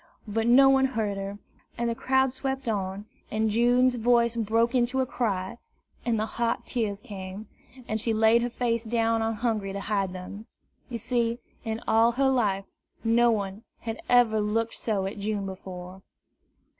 But no one heard her; and the crowd swept on, and June's voice broke into a cry, and the hot tears came, and she laid her face down on Hungry to hide them. You see, in all her life, no one had ever looked so at June before.